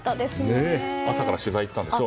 朝から取材に行ってたんでしょ？